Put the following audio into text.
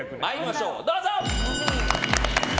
どうぞ。